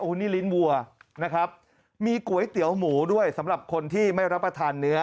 นี่ลิ้นวัวนะครับมีก๋วยเตี๋ยวหมูด้วยสำหรับคนที่ไม่รับประทานเนื้อ